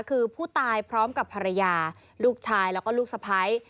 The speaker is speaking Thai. คือผู้ตายพร้อมกับภรรยาลูกชายแล้วก็ลูกสะพ้าย